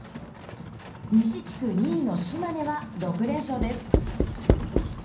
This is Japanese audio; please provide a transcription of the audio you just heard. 西地区２位の島根は６連勝です。